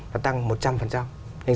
và tăng một trăm linh